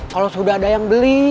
kalau sudah ada yang beli